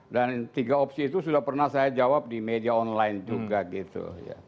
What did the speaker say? dan tiga opsi itu sudah pernah saya jawab di media online juga gitu